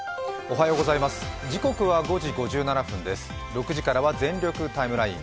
６時からは「全力ＴＩＭＥライン」